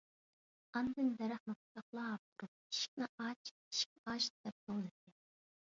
ئاندىن دەرەخنى قۇچاقلاپ تۇرۇپ: «ئىشىكنى ئاچ ! ئىشىكنى ئاچ !» دەپ توۋلىدى.